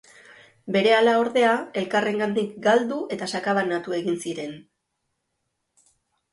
Berehala, ordea, elkarrengandik galdu eta sakabanatu egin ziren.